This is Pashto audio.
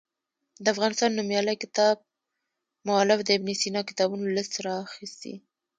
د افغانستان نومیالي کتاب مولف د ابن سینا کتابونو لست راخیستی.